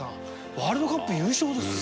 ワールドカップ優勝ですよ。